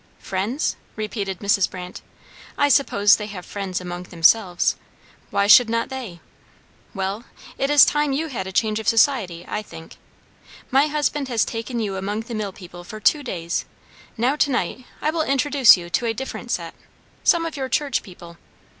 "Friends?" repeated Mrs. Brandt. "I suppose they have friends among themselves. Why should not they? Well, it is time you had a change of society, I think. My husband has taken you among the mill people for two days; now to night I will introduce you to a different set; some of your church people.